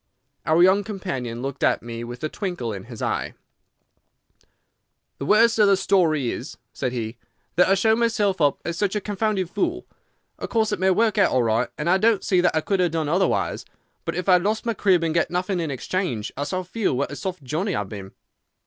Our young companion looked at me with a twinkle in his eye. "The worst of the story is," said he, "that I show myself up as such a confounded fool. Of course it may work out all right, and I don't see that I could have done otherwise; but if I have lost my crib and get nothing in exchange I shall feel what a soft Johnnie I have been.